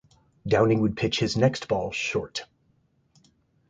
Downing would pitch his next ball short.